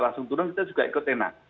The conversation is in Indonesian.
langsung turun kita juga ikut enak